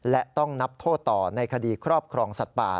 และต้องนับโทษต่อในคดีครอบครองสัตว์ป่า